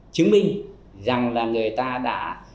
chứng minh rằng là người ta đã